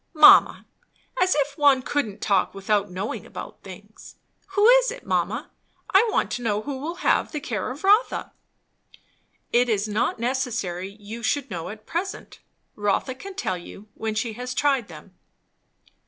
"Mamma! As if one couldn't talk without knowing about things! Who is it, mamma? I want to know who will have the care of Rotha." "It is not necessary you should know at present. Rotha can tell you, when she has tried them."